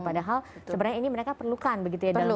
padahal sebenarnya ini mereka perlukan begitu ya